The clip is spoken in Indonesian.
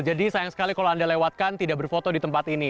jadi sayang sekali kalau anda lewatkan tidak berfoto di tempat ini